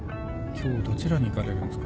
今日どちらに行かれるんですか？